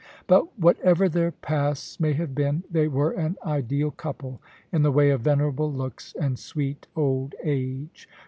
But whatever their pasts may have been, they were an ideal couple in the way of venerable looks and sweet old age.